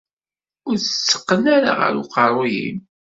Ur tt-tteqqen ara ɣer uqerruy-im.